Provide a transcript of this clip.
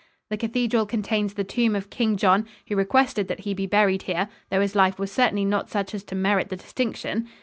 The cathedral contains the tomb of King John, who requested that he be buried here, though his life was certainly not such as to merit the distinction.